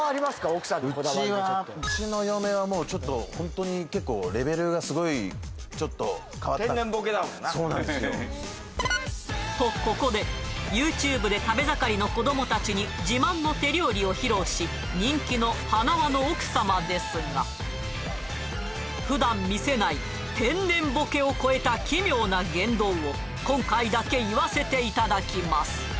奥さんのこだわりちょっとうちの嫁はもうちょっとホントに結構レベルがすごいちょっと変わった天然ボケだもんなそうなんですよとここでＹｏｕＴｕｂｅで食べ盛りの子ども達に自慢の手料理を披露し人気のはなわの奥様ですが普段見せない天然ボケを超えた奇妙な言動を今回だけ言わせていただきます